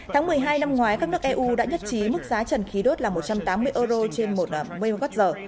tháng một mươi hai năm ngoái các nước eu đã nhất trí mức giá trần khí đốt là một trăm tám mươi euro trên một mê quát giờ